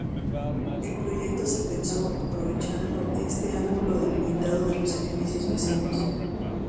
El proyecto se pensó aprovechando este ángulo delimitado por los edificios vecinos.